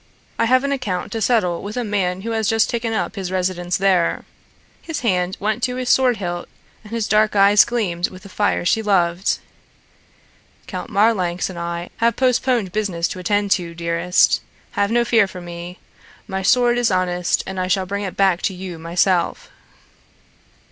I have an account to settle with a man who has just taken up his residence there." His hand went to his sword hilt and his dark eyes gleamed with the fire she loved. "Count Marlanx and I have postponed business to attend to, dearest. Have no fear for me. My sword is honest and I shall bring it back to you myself."